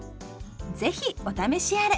是非お試しあれ！